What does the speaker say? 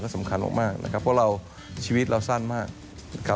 ก็สำคัญมากนะครับเพราะชีวิตเราสั้นมาก